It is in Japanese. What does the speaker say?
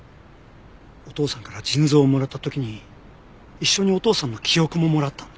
お父さんから腎臓をもらった時に一緒にお父さんの記憶ももらった。